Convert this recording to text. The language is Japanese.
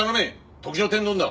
特上天丼だ！